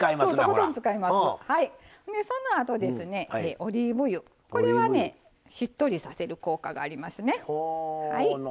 そのあとオリーブ油これは、しっとりさせる効果がありますね。